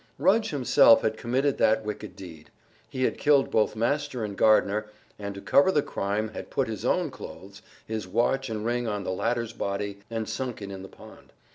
Rudge himself had committed that wicked deed. He had killed both master and gardener, and to cover the crime had put his own clothes, his watch and ring on the latter's body and sunk it in the pond.